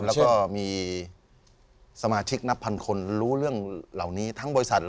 แล้วก็มีสมาชิกนับพันคนรู้เรื่องเหล่านี้ทั้งบริษัท